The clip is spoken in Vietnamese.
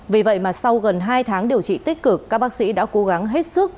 vì vậy mà sau gần hai tháng điều trị tích cực các bác sĩ đã cố gắng hết sức